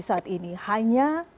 saat ini hanya